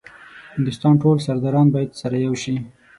هندوستان ټول سرداران باید سره یو شي.